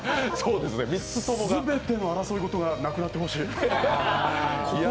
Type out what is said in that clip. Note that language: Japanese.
全ての争いごとがなくなってほしい。